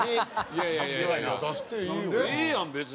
ええやん別に。